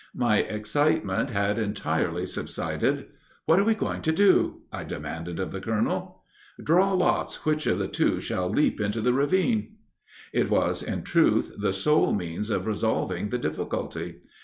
My excitement had entirely subsided. 'What are we going to do?' I demanded of the colonel." "'Draw lots which of the two shall leap into the ravine.'" "It was, in truth, the sole means of resolving the difficulty.